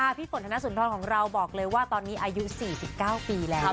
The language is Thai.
พี่ฝนธนสุนทรของเราบอกเลยว่าตอนนี้อายุ๔๙ปีแล้ว